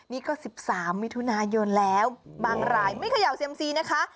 นี่ก็๑๓มิถุนายนแล้วบางรายไม่เขย่าเซียมซีนะคะ